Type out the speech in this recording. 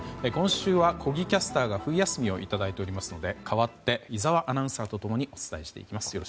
今週は小木キャスターが冬休みをいただいておりますので代わって井澤アナウンサーと共にお伝えしてまいります。